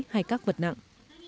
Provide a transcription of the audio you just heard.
hay các vật nặng